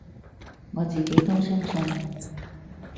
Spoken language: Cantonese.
我自己都相信